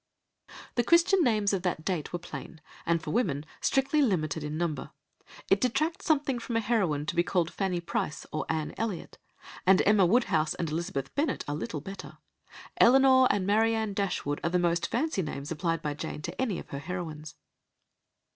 The Christian names of that date were plain, and, for women, strictly limited in number; it detracts something from a heroine to be called Fanny Price or Anne Elliot; and Emma Woodhouse and Elizabeth Bennet are little better; Elinor and Marianne Dashwood are the most fancy names applied by Jane to any of her heroines.